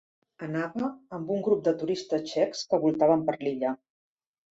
Anava amb un grup de turistes txecs que voltaven per l'illa.